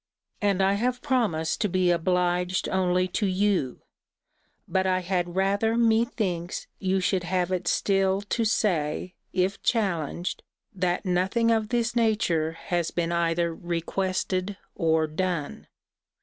And I have promised to be obliged only to you. But I had rather methinks you should have it still to say, if challenged, that nothing of this nature has been either requested or done.